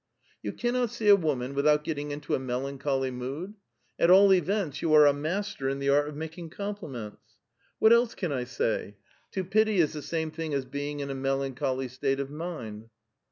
^' You cannot sec a woman without getting into a melan choly moiKl? At all evcntJi, you are a master in the art of makintj; coniplimonts." *• Wiiat else can 1 say? To pity is the same thing as be ing in a melancholy state of mind."